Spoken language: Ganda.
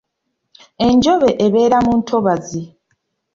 Enjobe ebeera mu ntobazzi.